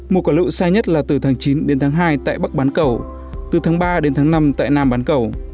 một quả lự xa nhất là từ tháng chín đến tháng hai tại bắc bán cầu từ tháng ba đến tháng năm tại nam bán cầu